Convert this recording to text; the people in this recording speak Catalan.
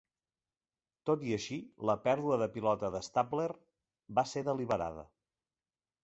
Tot i així, la pèrdua de pilota de Stabler va ser deliberada.